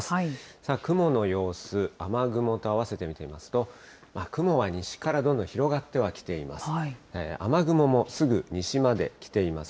さあ、雲の様子、雨雲と合わせて見てみますと、雲は西からどんどん広がってはきています。